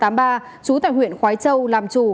trú tại huyện khói châu làm chủ